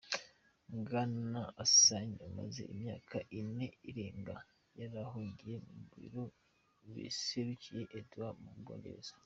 Bwana Assange amaze imyaka ine irenga yarahungiye mu biro biserukiye Ecuador mu Bwongereza.